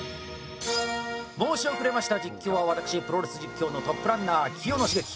申し遅れました、実況は私プロレス実況のトップランナー清野茂樹。